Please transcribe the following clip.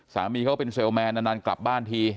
สามีเขาเป็นเซลลแมนนานกลับบ้านที